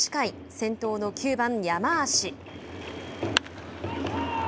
先頭の９番山足。